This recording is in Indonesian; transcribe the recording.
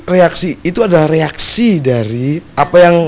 reaksi itu adalah reaksi dari apa yang